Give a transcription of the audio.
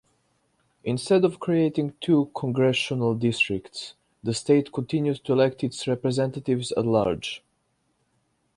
Instead of creating two congressional districts, the state continued to elect its Representatives at-large.